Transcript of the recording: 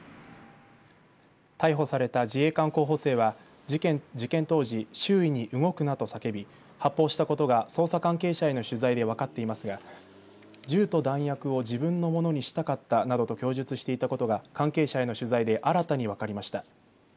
逮捕された自衛官候補生は事件当時、周囲に動くなと叫び発砲したことが捜査関係者への取材で分かっていますが銃と弾薬を自分のものにしたかったなどと供述していたことが関係者への取材で新たに分かりました。